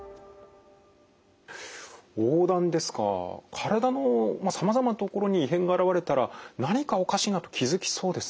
体のさまざまな所に異変が現れたら何かおかしいなと気付きそうですね。